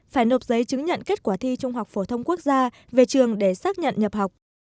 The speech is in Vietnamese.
phải nộp giấy chứng nhận kết quả thi trung học phổ thông quốc gia về trường để xác nhận nhập học